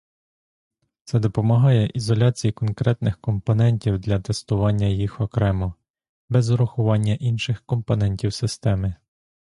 Це допомагає ізоляції конкретних компонентів для тестування їх окремо, без урахування інших компонентів системи.